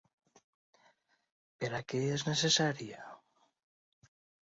Per a què és necessària?